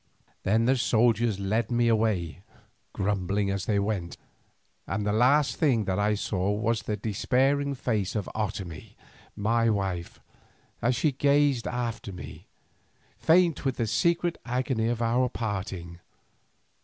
Then the soldiers led me away, grumbling as they went, and the last thing that I saw was the despairing face of Otomie my wife, as she gazed after me, faint with the secret agony of our parting.